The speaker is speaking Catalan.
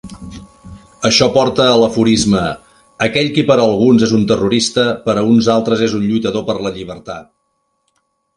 Això porta a l'aforisme "aquell qui per a alguns és un terrorista, per a uns altres és un lluitador per la lliberta".